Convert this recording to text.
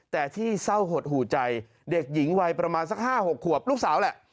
แต่ที่เศร้าหดหูใจเด็กหญิงวัยประมาณสัก๕๖ขวบลูกสาวแหละ